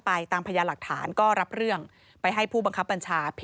ให้มีการรับสารภาพ